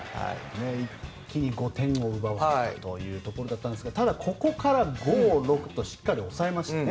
一気に５点を奪われてというところだったんですがただ、ここから５、６としっかり抑えましたね。